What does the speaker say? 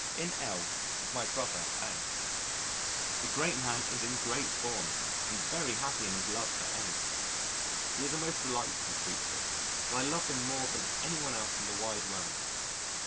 In L with my brother, A . The great man is in great form and very happy in his love for N . He is a most delightful creature and I love him more than any one else in the wide world.